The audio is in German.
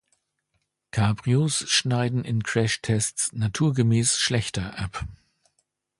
Cabrios schneiden in Crashtests naturgemäß schlechter ab.